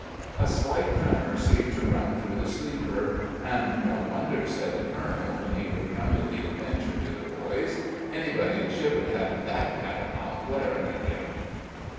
A slight tremor seemed to run through the sleeper; "and no wonder," said the colonel, when he recounted the adventure to the boys; "anybody'd shiver to hev that catamount glarin' at him."